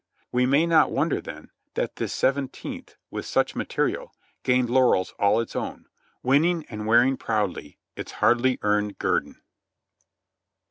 We may not wonder then, that this Seventeenth with such material gained laurels all its own, winning and wearing proudly its hardly earned guerdon.